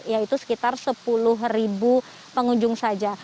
yaitu sekitar sepuluh pengunjung saja